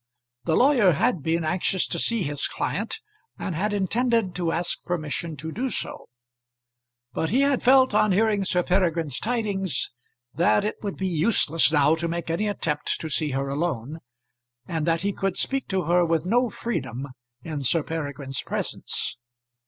The lawyer had been anxious to see his client, and had intended to ask permission to do so; but he had felt on hearing Sir Peregrine's tidings that it would be useless now to make any attempt to see her alone, and that he could speak to her with no freedom in Sir Peregrine's presence.